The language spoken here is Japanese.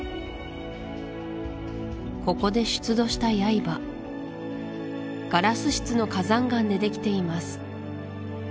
ここで出土した刃ガラス質の火山岩でできています